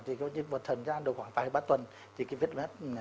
thường ra được khoảng vài ba tuần thì cái vết lết